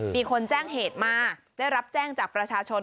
มีคนแจ้งเหตุมาได้รับแจ้งจากประชาชน